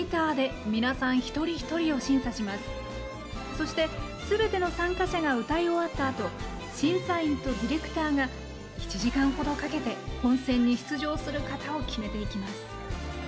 そして、すべての参加者が歌い終わったあと審査員とディレクターが１時間程かけて本選に出場する方を決めていきます。